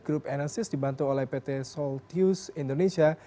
grup enosis dibantu oleh pt solthews indonesia